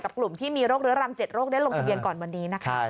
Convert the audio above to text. กลุ่มที่มีโรคเรื้อรัง๗โรคได้ลงทะเบียนก่อนวันนี้นะคะ